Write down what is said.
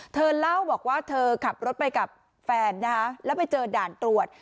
เธอเล่าบอกว่าเธอขับรถไปกับแฟนนะคะแล้วไปเจอด่านตรวจ